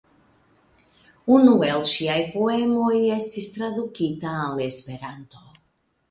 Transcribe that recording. Unu el ŝiaj poemoj estis tradukita al Esperanto.